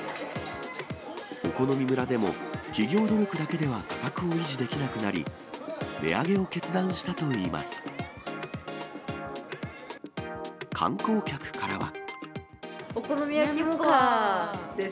お好み村でも、企業努力だけでは価格を維持できなくなり、値上げを決断したといいます。